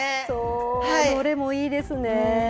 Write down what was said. どれもいいですね。